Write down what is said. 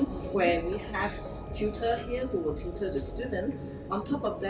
di mana kita punya tutor yang akan mengajar pelajar